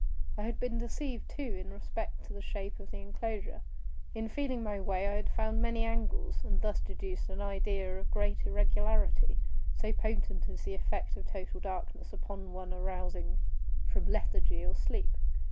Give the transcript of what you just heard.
I had been deceived, too, in respect to the shape of the enclosure. In feeling my way I had found many angles, and thus deduced an idea of great irregularity; so potent is the effect of total darkness upon one arousing from lethargy or sleep!